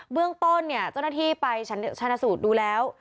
เรื่องต้นเนี่ยเจ้าหน้าที่ไปชนะสูตรดูแล้ว